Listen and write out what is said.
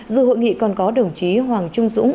dự hội nghị còn có đồng chí hoàng trung dũng